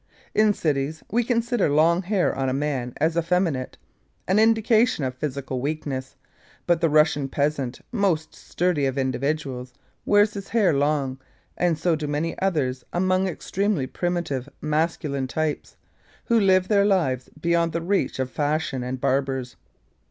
In cities we consider long hair on a man as effeminate, an indication of physical weakness, but the Russian peasant, most sturdy of individuals, wears his hair long, and so do many others among extremely primitive masculine types, who live their lives beyond the reach of Fashion and barbers.